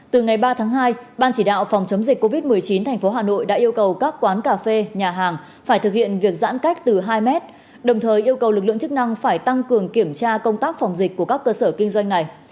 từ ngày ba tháng hai ban chỉ đạo phòng chống dịch covid một mươi chín tp hà nội đã yêu cầu các quán cà phê nhà hàng phải thực hiện việc giãn cách từ hai mét đồng thời yêu cầu lực lượng chức năng phải tăng cường kiểm tra công tác phòng dịch của các cơ sở kinh doanh này